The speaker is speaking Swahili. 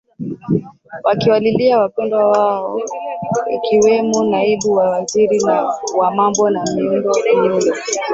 wakiwalilia wapendwa wao akiwemo naibu wa waziri wa mambo ya miundo miundu